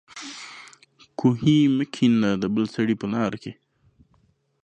کوهي مه کېنده د بل سړي په لار کې